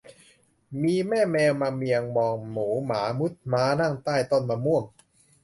มีแม่แมวมาเมียงมองหมูหมามุดม้านั่งใต้ต้นมะม่วง